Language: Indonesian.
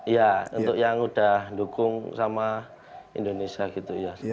iya untuk yang udah dukung sama indonesia gitu ya